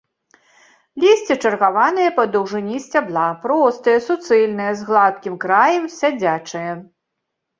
Лісце чаргаванае па даўжыні сцябла, простае, суцэльнае, з гладкім краем, сядзячае.